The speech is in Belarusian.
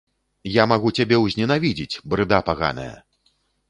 Я магу цябе ўзненавідзець, брыда паганая!